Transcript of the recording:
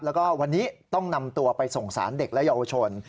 แล้วก็วันนี้ต้องนำตัวไปส่งสารเด็กและเยาวชน